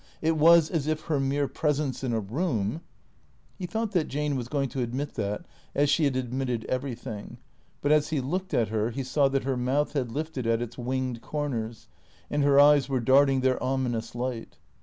It was as if her mere presence in a room He thought that Jane was going to admit that as she had admitted everything, but as he looked at her he saw that her mouth had lifted at its winged corners, and her eyes were darting their ominous light.